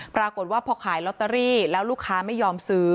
ปรากฏว่าพอขายลอตเตอรี่แล้วลูกค้าไม่ยอมซื้อ